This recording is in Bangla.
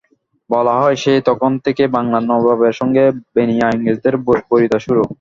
বলা হয়, সেই তখন থেকেই বাংলার নবাবের সঙ্গে বেনিয়া ইংরেজদের বৈরিতা শুরু।